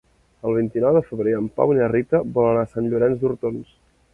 El vint-i-nou de febrer en Pau i na Rita volen anar a Sant Llorenç d'Hortons.